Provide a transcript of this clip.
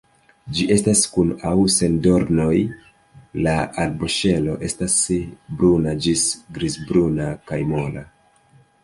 Ĝi estas kun aŭ sen dornoj, la arboŝelo estas bruna ĝis grizbruna kaj mola.